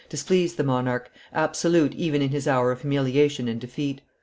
displeased the monarch, absolute even in his hour of humiliation and defeat.